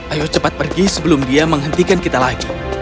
ayo cepat pergi sebelum dia menghentikan kita lagi